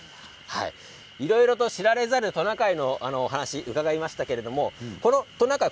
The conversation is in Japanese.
いろいろと知られざるトナカイの話を伺いましたけどトナカイ